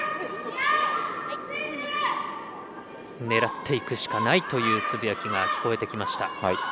狙っていくしかないというつぶやきが聞こえてきました。